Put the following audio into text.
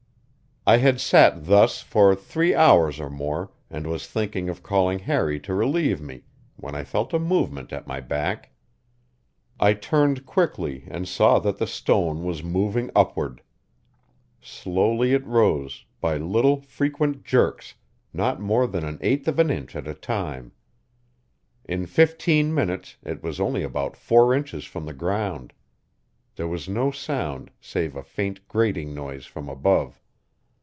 I had sat thus for three hours or more, and was thinking of calling Harry to relieve me, when I felt a movement at my back. I turned quickly and saw that the stone was moving upward. Slowly it rose, by little frequent jerks, not more than an eighth of an inch at a time. In fifteen minutes it was only about four inches from the ground. There was no sound save a faint grating noise from above.